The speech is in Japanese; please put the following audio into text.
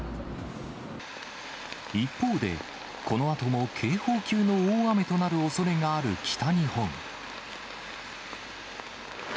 一方で、このあとも警報級の大雨となるおそれがある北日本。